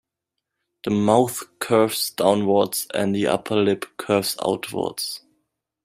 The mouth curves downwards and the upper lip curves outwards.